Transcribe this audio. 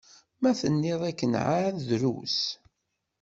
Ma tenniḍ akken εad drus.